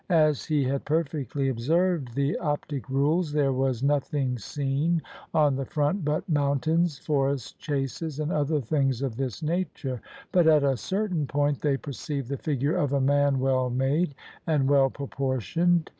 As he had perfectly observed the optic rules, there was nothing seen on the front but mountains, forests, chases, and other things of this nature; but at a certain point they perceived the figure of a man well made and well proportioned.